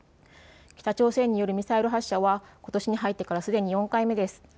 北朝鮮によるミサイル発射はことしに入ってからすでに４回目です。